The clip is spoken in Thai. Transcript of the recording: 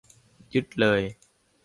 ยึดเลย